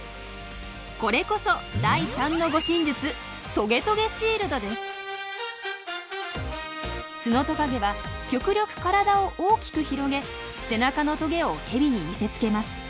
これこそ第３の護身術ツノトカゲは極力体を大きく広げ背中のトゲをヘビに見せつけます。